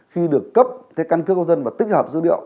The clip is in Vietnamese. khi được cấp cái căn cước công dân và tích hợp dữ liệu